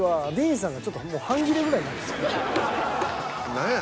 何や？